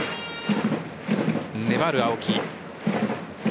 粘る青木。